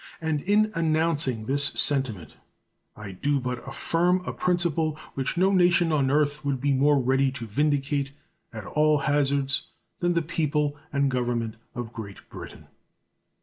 And in announcing this sentiment I do but affirm a principle which no nation on earth would be more ready to vindicate at all hazards than the people and Government of Great Britain.